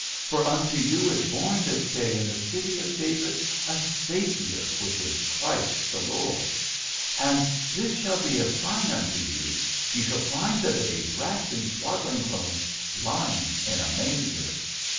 " For unto you is born this day in the City of David a Saviour, which is Christ the Lord. " And this shall be a sign unto you ; ye shall find the babe wrapped in swaddling clothes, lying in a manger."